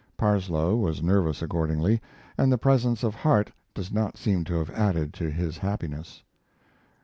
Parsloe was nervous accordingly, and the presence of Harte does not seem to have added to his happiness.